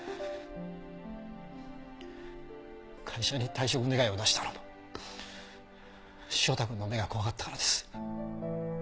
会社に退職願を出したのも汐田君の目が怖かったからです。